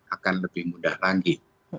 akan lebih mudah lagi